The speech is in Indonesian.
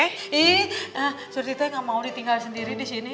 ih surti teh enggak mau ditinggal sendiri di sini